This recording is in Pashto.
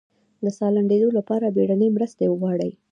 د ساه د لنډیدو لپاره بیړنۍ مرسته وغواړئ